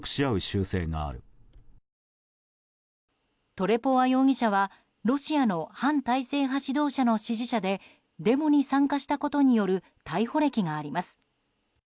トレポワ容疑者は、ロシアの反体制派指導者の支持者でデモに参加したことによる逮捕歴があります。